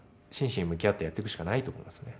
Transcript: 真摯に向き合ってやっていくしかないと思いますね。